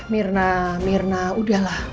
mirna mirna udah lah